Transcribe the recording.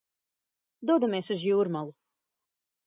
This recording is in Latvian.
Dodamies uz Jūrmalu.